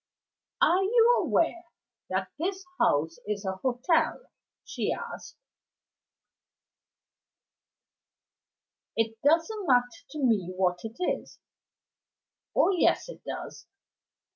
"Are you aware that this house is a hotel?" she asked. "It doesn't matter to me what it is." "Oh yes, it does.